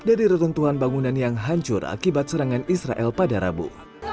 dari reruntuhan bangunan yang hancur akibat serangan israel pada rabu